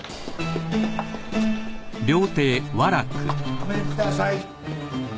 ごめんください。